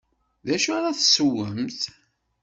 D acu ara teswemt?